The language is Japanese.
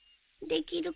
できる！